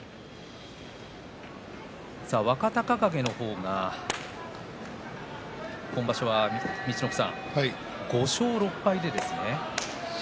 若隆景の方が今場所は５勝６敗ですね。